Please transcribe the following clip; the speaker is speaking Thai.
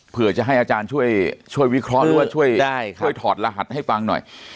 เพื่อจะให้อาจารย์ช่วยวิเคราะห์หรือว่าช่วยถอดรหัสให้ฟังหน่อย